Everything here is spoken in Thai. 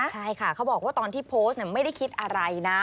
ใช่ค่ะเขาบอกว่าตอนที่โพสต์ไม่ได้คิดอะไรนะ